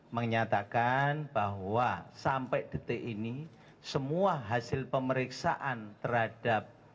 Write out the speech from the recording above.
menyatakan bahwa sampai detik ini semua hasil pemeriksaan terhadap